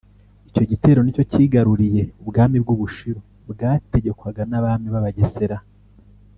Icyo gitero nicyo cyigaruriye Ubwami bw’u Bushiru bwategekwaga n’Abami b’Abagesera